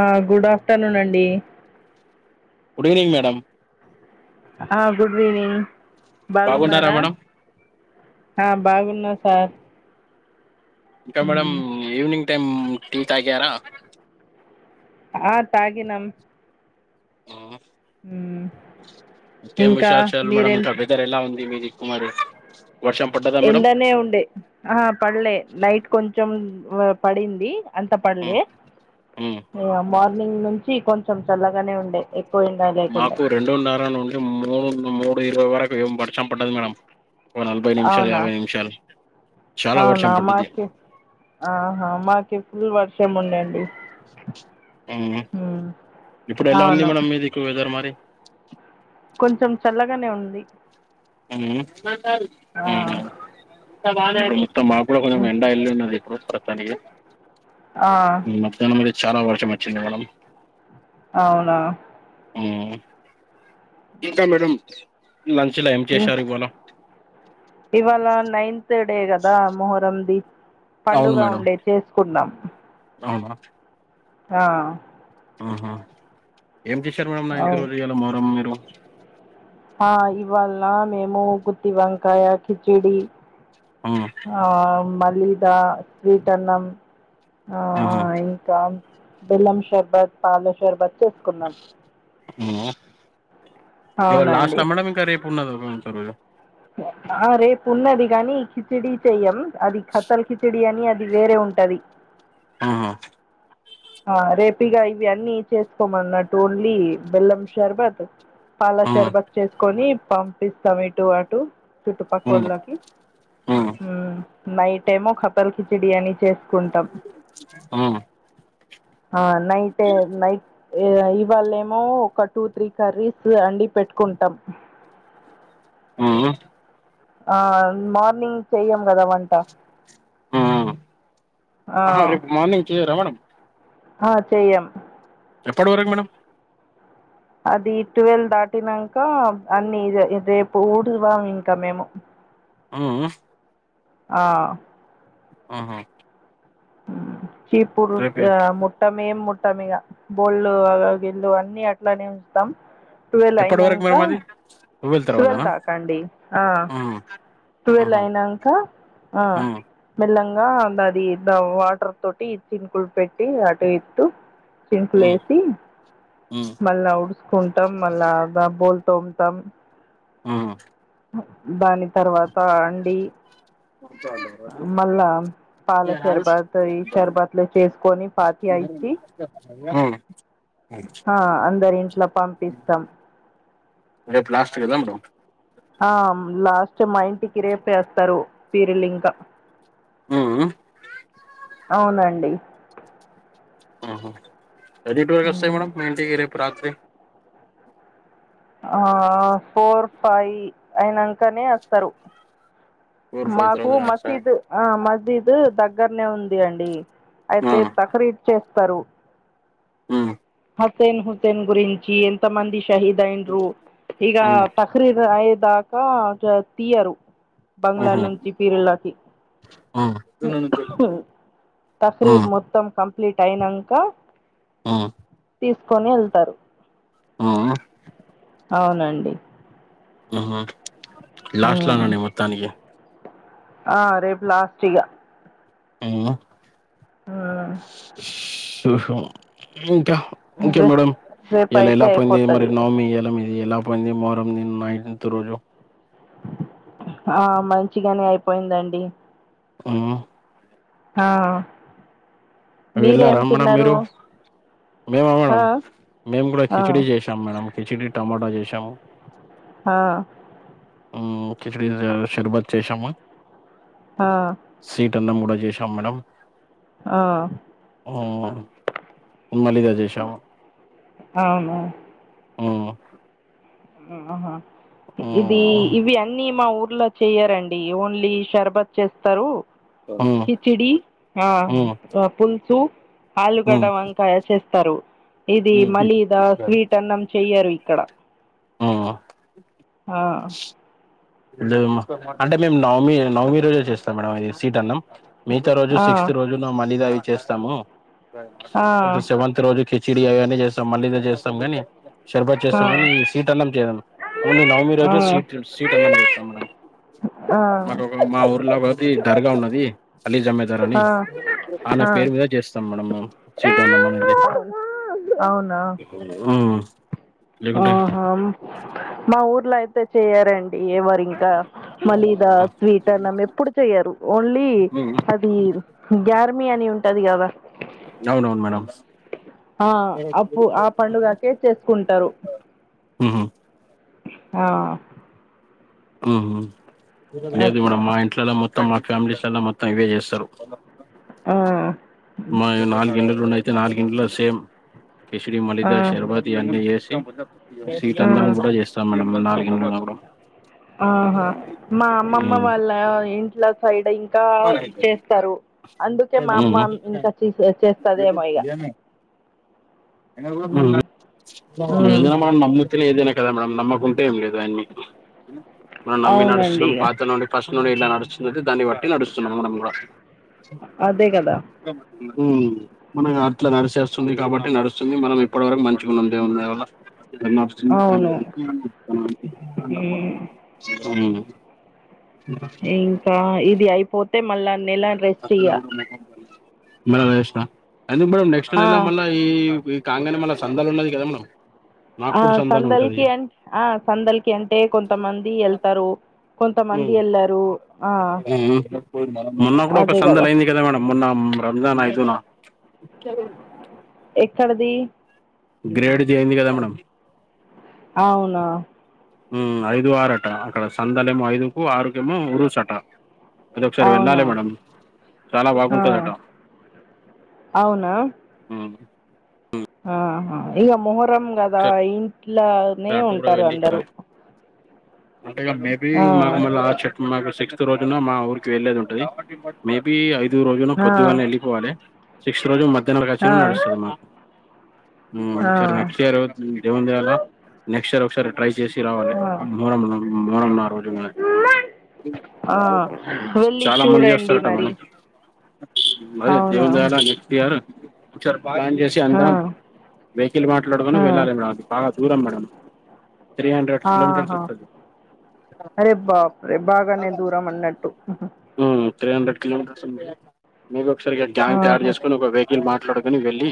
ఆ good afternoon అండి good evening madam ఆ గుడ్ ఈవినింగ్ బాగున్నారా ఆ బాగున్నాను ఆ ఇంకా మేడమ్ ఈవినింగ్ టైమ్ టీ తాగరా ఆ తాగినం ఉమ్ ఇంకేం ఇంకా విశేషాలు మేడం మీరేం ఇంకా చే- వెదర్ ఎలా ఉంది మీది కు మరి వర్షం పడ్డదా మేడం ఎండనే ఉండే ఆహా పడలే లైట్ కొంచెం పడింది అంత ఉమ్, పడ్లే ఉమ్. మార్నింగ్ నుంచి కొంచెం చల్లగానే ఉండే ఎక్కువ ఎండ లేకుండే మాకు రెండున్నర నుండి మూడు మూడు ఇరవై వరకు ఏం వర్షం పడ్డది మేడం ఓ నలభై నిమిషాలు, అవునా యాభై నిమిషాలు చాలా వర్షం అవునా పడ్డది మాకి ఆహా మాకి ఫుల్ వర్షం ఉండే అండి ఉమ్ హు ఇప్పుడు ఎలా ఉంది అవును మేడం మీదిక్కు వెదర్ మరి కొంచం చల్లగానే ఉంది హు హు ఆ ఉమ్ హు మ్ మాకు కూడా కొంచెం ఎండా ఎల్లి ఉన్నది ఇప్పుడు ప్రస్తుతానికి ఆ మద్యాహ్నం కూడ చాలా వర్షం వచ్చింది మేడం అవునా మ్ ఇంకా మేడం లంచ్ లో ఏం ఇంక్ చేశారు ఇవాళ ఇవాళ నైన్త్ డే కదా మొహరంది అవును పండుగ మేడం ఉండే చేసుకున్నాం అవునా ఆ ఆహా ఏం చేశారు మేడమ్ నైన్త్ అవు రోజు ఇయ్యాల మరి మీరు ఆ ఇవాల్నా మేము గుత్తి వంకాయ, కిచిడి ఆ ఆ మలీదా, స్వీటన్నం ఆ ఆహా ఇంకా బెల్లం షర్బత్ పాల షర్బత్ చేసుకున్నాం మ్ ఇవాళ అవునండి లాస్టా మేడం ఇంకా రేపు ఉన్నదా ఇంకా ఒక రోజు ఆ రేపు ఉన్నది గాని కిచిడి చెయ్యం అది ఖత్తల్ కిచి డి అని అది వేరే ఉంటది. ఉమ్ హు ఆ రేపీగా ఇవన్నీ చేసుకోమన్నట్టు ఓన్లీ బెల్లం షర్బత్ పాలా ఆ ఆ షర్బత్ చేసుకోని పంపిస్తాం ఇటు అటు ఆ చుట్టుపక్కోలకి ఉమ్ నైట్ ఏమో ఖతల్ కిచడి అని చేసు కుంటం ఆ ఆ నైటే నైట్ ఎ వాళ్ళేమో ఒక టూ, త్రీ కర్రీస్ అండి పెట్టుకుంటం ఉమ్ హు ఆ మార్నింగ్ చెయ్యం కదా వంట ఆ ఆ ఆహా రేపు మార్నింగ్ చేయరా మేడం ఆ చెయ్యం ఎప్పటి వరకు మేడం అది టువెల్వ్ దాటినంక అన్ని ఇగా రేపు ఊడువం ఇంకా మేము హు హు ఆ ఉమ్ హు చీపురు ముట్టమే ము ట్టం ఇగా బోళ్ళు గిల్లు అన్ని అట్లానే ఉంచుతాం ట్వెల్వ్ ఎప్పటి వరకు అయినంక మేడం అది టువెల్ ట్వెల్వ్ తర్వాతనా తాకండి ఆ ట్వెల్ ఆహా అయినంక హా ఆ ఆ లంగా అది వాటర్ తోటి చినుకుల్ పెట్టి అటు ఇటు చింకుల్ ఆ ఏసి మళ్ళ ఉడు కుంటాం మళ్ళాగా బోల్ తోంతం మ్ దాని తర్వాత అండి మళ్ళా పాల శర్బత్ ఈ షర్బత్లు చేసుకొని పాతి మ్ ఆ అందరి ఇంట్ల పంపిస్తాం అరె ప్లాస్టికదం ర ఆ లాస్ట్ మా ఇంటికి రేపే ఒత్తరు పీరిల్ ఇంకా ఆ ఆ అవునండి ఎడిట్ వర్ ఒస్తా మేడం మీంటికి రాత్రి ఆ ఫోర్ ఫై అయినంకనే ఒత్తరు ఫోర్ ఫైవ్ మాకు తర్వాత రాచ్చా మసీదు ఆ మసీదు దగ్గర్నే ఉంది అండి ఆ ఐతే తకరీద్ చేస్తారు మ్ హసీన్ హుస్సేన్ గురించి ఎంత మంది షహీద్ అయిండ్రు ఇగా ఆ తక్రీద్ దాకా తీయరు బంగ్లా ఆహా నుంచి పీరిలకి ఆ తక్రీద్ ఆ మొత్తం కంప్లీట్ అయినంక ఆ తీస్కొని ఎళ్తరు ఆ అ అవునండి లాస్ట్‌లనే ఉమ్ ఉన్నాట్ మొత్తానికి ఆ రేప్ లాస్ట్ ఇగ మ్ హ్మ్ షుషు ఇంక ఇంకే రే మేడం రేపు ఇలా అయితే ఎలా పోయింది అయిపోతది మరి ఇగ నామి ఎల మీది ఎలా పోయింది మొహరం నిన్న నైన్త్ రోజు ఆ మంచిగనే అయిపోయిందండి హ్మ్ హా వెళ్లారా మేడం మీరు మేమా ఆ మేడం మేము గుడా ఆ కిచిడి చేశాం మేడం కిచిడి టమాటా చేశాము హా హ్మ్ కిచిడి షర్బత్ చేశామ ఆ సీ ట్ అన్నం గుడ చేశాం మేడం ఆ మ్ మళీదా చేశాము అవునా ఆహా ఇది హ్మ్ ఇవి అన్నీ మా ఊర్ లో చేయరండి ఓన్లీ షర్బత్ చేస్తరూ హ్మ్ కిచిడి ఆ హ్మ్ పులుసు ఆలుగడ్డ హ్మ్ వంకాయ చేస్తారు ఇది హ్మ్ మలీదా స్వీట్ అన్నం చెయ్యరు ఇక్కడ ఆఆ ఆ అంటే మేము నవమి నవమి రోజే చేస్తాం మేడం అది సీట్ అన్నాం మిగతా రోజు ఆ సిక్స్త్ రోజున మలిదా అవి చేస్తాము ఆ సెవెంత్ రోజుకి కిచిడి అయన్నీ చేస్తాం మళిదా చేస్తాం కాని షర్బత్ ఆ చేస్తాం కానీ సీట అన్నం చేయం ఓన్లీ నవమి ఆ రోజు స్వీట్ స్వీట్ అన్నం చేస్తాం మేడం ఆ మకొక మా ఊర్లో కా దర్గా ఉన్నది అలీ జమీదార్ అని ఆ ఆయన ఆ పేరు మీద చేస్తాం మాము చిటు అన్నమనేది అవునా హ్మ్ లేకుంటే ఆహా మా ఊర్లో అయితే చేయారండి ఎవరు ఇంకా మళిదా స్వీట్ ఆ! అన్నం ఎప్పుడు చెయ్యరు ఓన్లీ ఉమ్ అది గ్యార్మీ అని ఉం టది కదా అవునవును మేడం ఆ అప్పు ఆ పండుగకే చేసుకుంటారు ఉహు ఆ హ్మ్ హు లేదు అట్లా మేడం మా ఇంట్లలో మొత్తం మా ఫ్యామిలీస్లలో మొత్తం ఇవే చేస్తారు ఆ మా నాలుగు ఇల్లులు ఉన్నాయి అయితే నాలుగు ఇండ్లలో సేమ్ కిచిడి ఆ మలిద షర్బత్ ఇవన్నీ చేసి స్వీట్ ఆ అన్నం కూడా చేస్తాం మేం నాలుగు ఇండ్లలో కూడా ఆహా మా అమ్మమ్మ ఉహు వాళ్ళ ఇంట్లో సైడ్ ఇ కా చేస్తారు అందుకే మా అమ్మ ఉహు ఇంకా చిసే చేస్తదేమో ఇగ మ్మ్ మ్మ్ ఏందైనా మనం నమ్మితేలే ఏదైన కదా మనం నమ్మకుంటే ఏం లేదు అయన్ని మనం నమ్మి అవునండి నడుస్తున్నాం ఇగ పాత నుండి ఫస్టు నుండి ఎట్లా నడుస్తుందంటే దాన్ని బట్టి నడుస్తున్నాం మనం కూడా అదే కదా ఉహు మన అట్లా నడిసేస్తుంది కాబట్టి నడుస్తుంది మనం ఇప్పటి వరకు మంచిగున్నం దేవుని దయవల్ల [unintelligible] అవును హ్మ్ ఇంకా ఇది అయిపోతే మళ్ళా నెల రెస్ట్ ఇయ్య మళష్ట అందు మే నెక్స్ట్ల్ ఆ మళ్ళ ఈ కానే మళ్ళ సందాలు ఉన్నది కదా మా ఆ సందలకి అంట ఆ సందలకి అంటే కొంతమంది ఎళ్తారు కొంతమంది ఏళ్లారు ఆ పో మొన్న కూడా ఒక అదే సందలు గదా! అయింది కదా మేడం మొన్న రంజానా అయిదునా ఎక్కడది గ్రేడ్ జయంది కదా మేడం అవునా ఐదు ఆరుట అక్కడ సందలే ఏమో ఐదుకు ఆరుకేమో ఉరుసట అద ఒకసారి అవునా? వెళ్ళాలి మేడం చాలా ఆ! బాగుంటుందట అవునా ఆహా ఇక మొహరం కదా ఇంట్లోనే అటు ఉంటారు అందరు అంటేగా మేబి మాకు మళ్ల ఆ చెట్టు మాకు రోజున మా ఊరికి వెళ్లేది ఉంటది మేబి ఐదు రోజున ఆ! పొద్దుగాలనే వెళ్ళిపోవాలి సిక్స్ రోజు మధ్యాహ్నం అచ్చిన ఆ! నడుస్తుంది మాకు ఉమ్ ఆ! ఒకసారి నెక్స్ట్ ఇయర్ దేవం నెక్స్ట్ ఇయర్ ఒకసారి ట్రై చేసి రావాలి ఆ! మూన మూనం నా రోజు ఆ! వెళ్లి చాలా మంది చూడండి చేస్తారట మరి. మేడం మదే అవునా? దేవున్ దయాల నెక్స్ట్ ఇయర్ ఒకసారి ప్లాన్ చేసి ఆ! అందాం వెకిల్ మా ట్డుకొని ఆ! వెళ్ళాలి మేడం అది బాగా దూరం మేడం త్రీ హండ్రెడ్స్ కిలోమీటర్స్ ఆహా! వస్తది అరే బాప్రే బాగానే దూరం ఉన్నట్టు త్రీ హండ్రెడ్ కిలోమీటర్స్ ఉంది మీ ఒకసారిగా గ్యాంగ్ తయారు ఆహా చేసుకొ ఒక వెకిల్ మాట్ అట్లాడుకని వెళ్ళి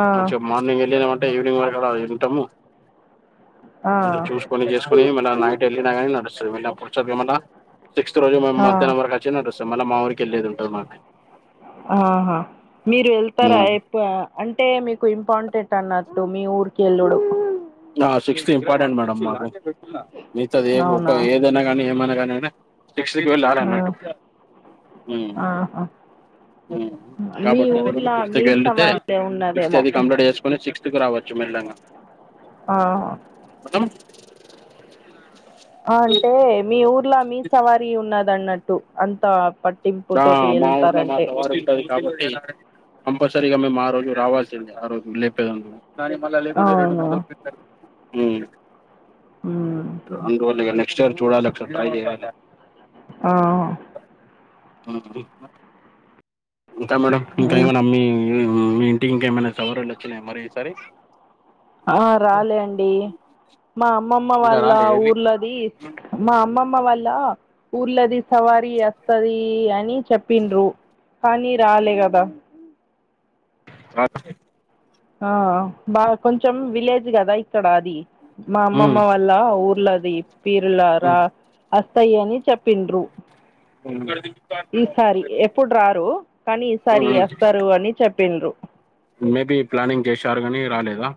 ఆ మంచి మేము వెళ్ళిన అంటే ఈవినింగ్ వరకు వింటాము ఆ అందు చూసుకొని చేసుకొని మ నైట్ వెళ్ళినా కానీ నడుస్తుంది మ పుడుచదు ఏమన్నా నెక్స్ట్ రోజు మేం ఆ మధ్యానం వరకు వచ్చినట్ స మళ్ళ మా వరికి ఆహా మీరు వెళ్తారా ఉమ్. ఎప్పు అం టే మీకు ఇంపార్టెంట్ అన్నట్టు మీ ఊరికి వెళ్ళడు ఆ సిక్స్త్ ఇంపార్టెంట్ మేడం మా మిత ఒక అవునా ఏదైనా కానీ ఏమైనా కానీ శక్షకి వెల ఆ అన్నట్టు ఉమ్ ఆహా ఉమ్ మీ కాబట్టి అందుక ఊర్లో ఫిఫత్ క మీ వెళ్ళితే సవార్లే ఫిఫ్త్ ఉన్నదేమో అది కంప్లీట్ చేసుకొని సిక్స్త్కు రావచ్చు మేల్లంగ ఆ అంటే మీ ఊర్లా మీ సవారి ఉన్నదన్నట్టు అంత ప ఆ మా ఊర్లో మాసవారు ఇది కాబట్టి ఒక్కసారిగా మేము ఆ రోజు రావాల్సిందంది ఆ రోజు లేపేందుకు దని మళ్ళీ లేకుంటె రెండు అవునా మొదలు పెట్టారు ఉమ్ ఉమ్ నెక్స్ట్ ఇయర్ చూడాలక్క ట్రై చేయాలి ఆ ఆహ ఇంకా మేడం ఇంకా ఇం ఏమనా అమ్మి మీ ఇంటికింకేమైనా సవరళ్లుు వచ్చినయా మరి ఈసారి ఆ రాలే అండి మా అమ్ అమ్మమ్మ ఇంకా వాళ్ళ రాలే ఏవి ఊర్లోది మా అమ్మ అమ్మ వల్ళ ఊర్లది సవారీ వస్తది అని చెప్పిండ్రు కానీ రాలే గదా రాత్రి ఆ బాగా కొంచెం విలేజ్ కదా ఇక్కడ అది మా అమ్మమ్మ ఉమ్ వల్ళ ఊర్లది పీరుల రా తయ్యని చెప్పిండ్రు ఈసారి ఎప్పుడు రారు కానీ ఈసారి ఉమ్ వస్తారు అని చెప్ పెండ్ర మేబీ ప్లానింగ్ చేశారు కాని రాలేదా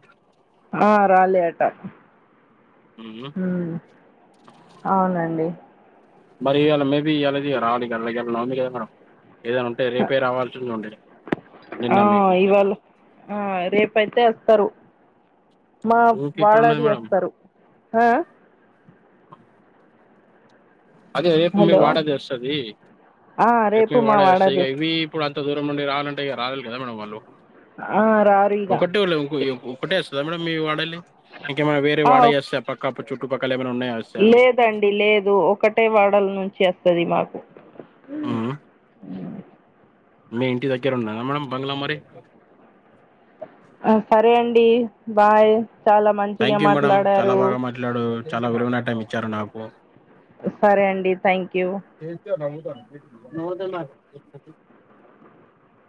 ఆ రాలే అట ఉమ్ అవునండి మరి ఈయల మేబి ఈయల [unintelligible] ఏదైనా ఉంటే రేపే రావాల్సిది ఉండే ఆ నిన్న మీకు ఇవాళ ఆ రేపయితే వస్తారు మా ఊకే ఇక్కడ ఉన్నది వాళ్ళది మేడం అస్తారు ఆ ఆ అదే రేపు మీ హలో వాడది వస్తది ఆ రేపు మీ మా వాడదోస్తది ఇక వాడాది ఇవి ఇప్పుడు అంత నుండి రావాలంటే ఇగ రాలేరు కదా మేడం వాళ్ళు ఆ రారు ఇగ ఒకటేలోక్ ఒకటేస్ కదా మేడం మీ వాడెల్లి ఇంకేమన్న వేరే ఆ వాడైస్త పక్కప చుట్టుపక్కల ఏమైనా ఉన్నాయా వస్తాయి అవి లేదండి లేదు ఒకటే వాడల నుంచి వస్తది మాకు మ్మ్. మీ ఇంటి దగ్గర ఉన్నాద మేడం బంగ్లా మరి ఆ సరే అండి బాయ్ చాలా మంచిగా థ్యాంక్ యూ మేడం మాట్లాడారు చాలా బాగా మాట్లాడు చాలా విలువైన టైం ఇచ్చారు నాకు సరే అండి థ్యాంక్ యూ న నద మ